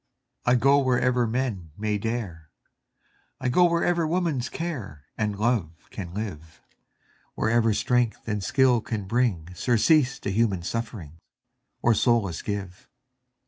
I go wherever men may dare, I go wherever woman's care And love can live, Wherever strength and skill can bring Surcease to human suffering, Or solace give.